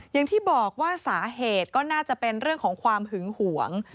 อย่างที่บอกว่าสาเหตุก็น่าจะเป็นเรื่องของความหึงหวง